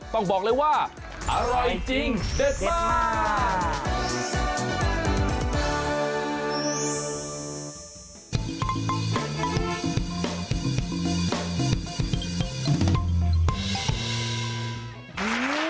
ต้องบอกเลยว่าอร่อยจริงเด็ดมาก